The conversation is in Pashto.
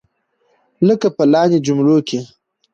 لکه په لاندې جملو کې.